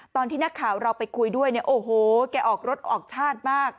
ตอนที่นักข่าวเราไปคุยด้วยเนี่ยโอ้โหแกออกรถออกชาติมาก